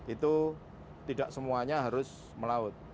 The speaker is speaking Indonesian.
itu tidak semuanya harus melaut